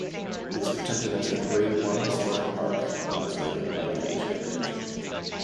It is protected as a Grade One historic park, as rated by English Heritage.